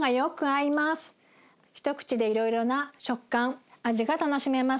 一口でいろいろな食感味が楽しめます。